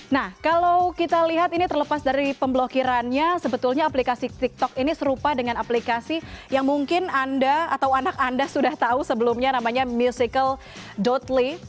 nah kalau kita lihat ini terlepas dari pemblokirannya sebetulnya aplikasi tiktok ini serupa dengan aplikasi yang mungkin anda atau anak anda sudah tahu sebelumnya namanya musical lay